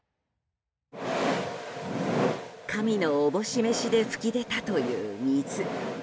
神の思し召しで噴き出たという水。